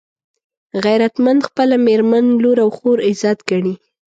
غیرتمند خپله مېرمنه، لور او خور عزت ګڼي